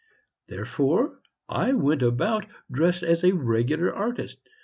Therefore I went about dressed as a regular artist.